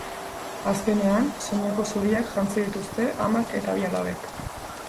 Azkenean, soineko zuriak jantzi dituzte amak eta bi alabek.